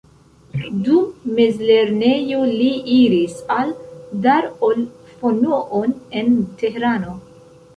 Dum mezlernejo li iris al Dar ol-Fonoon en Teherano.